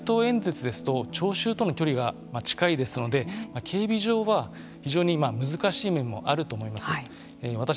やはり街頭演説ですと聴衆との距離が近いですので警備上は非常に難しい面もあると思います。